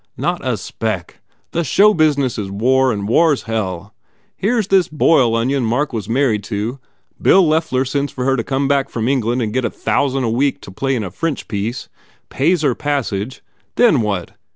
"Not a speck! The show business is war and war s hell. Here s this Boyle onion Mark was married to, Bill Loeffler sends for her to come back from England and get a thousand a week to play in a French piece. Pays her passage. Then what?